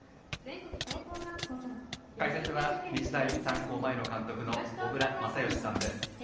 解説は日大三高前の監督の小倉全由さんです。